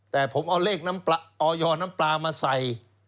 แต่ผมเอาเลขน้ำออยน้ำปลามาใส่